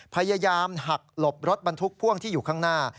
พยายามหักหลบรถบรรทุกพ่วงที่อยู่ข้างหน้า